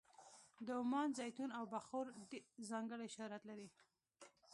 د عمان زیتون او بخور ځانګړی شهرت لري.